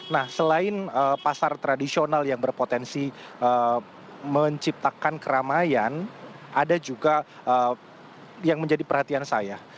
nah selain pasar tradisional yang berpotensi menciptakan keramaian ada juga yang menjadi perhatian saya